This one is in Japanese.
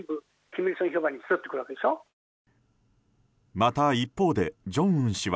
また一方で、正恩氏は